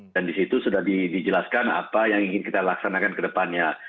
dan di situ sudah dijelaskan apa yang ingin kita laksanakan ke depannya